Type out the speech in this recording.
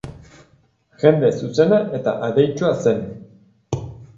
Jende zuzena eta adeitsua zen.